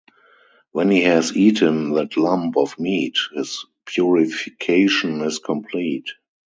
When he has eaten that lump of meat his purification is complete.